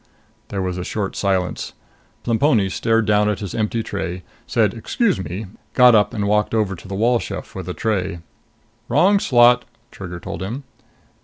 There was a short silence. Plemponi stared down at his empty tray, said, "Excuse me," got up and walked over to the wall chef with the tray. "Wrong slot," Trigger told him.